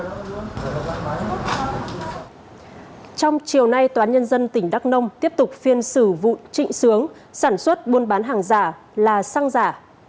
trong chiều nay toán nhân dân tỉnh đắk nông tiếp tục phiên xử vụ trịnh sướng sản xuất buôn bán hàng giả là xăng giả